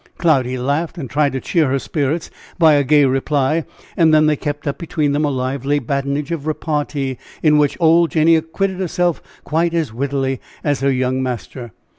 Cloudy laughed and tried to cheer her spirits by a gay reply, and then they kept up between them a lively badinage of repartee, in which old Jenny acquitted herself quite as wittily as her young master.